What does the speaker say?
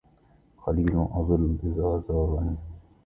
خليل أظل إذا زارني